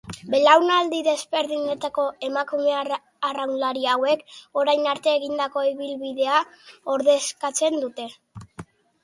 Belaunaldi desberdinetako emakume arraunlari hauek, orain arte egindako ibilbidea ordezkatzen dute.